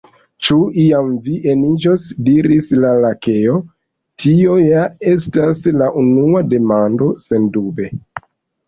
"Ĉu iam vi eniĝos?" diris la Lakeo. "Tio ja estas la unua demando. Sendube! "